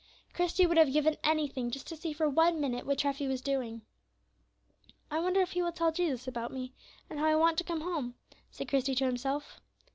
Christie would have given any thing just to see for one minute what Treffy was doing. "I wonder if he will tell Jesus about me, and how I want to come home," said Christie to himself.